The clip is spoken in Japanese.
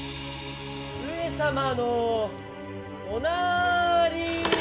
上様のおなーりー！